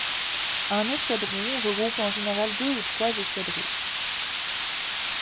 Un escadron regroupe en général deux ou trois escadrilles.